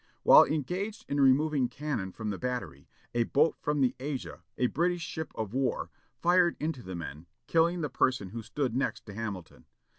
While engaged in removing cannon from the battery, a boat from the Asia, a British ship of war, fired into the men, killing the person who stood next to Hamilton.